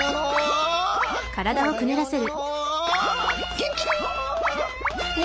元気だよ。